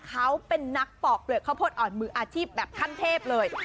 เขาเป็นนักปอกเปลือกข้าวโพดอ่อนมืออาชีพแบบขั้นเทพเลย